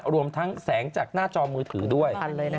รวมทั้งแสงจากหน้าจอมือถือด้วย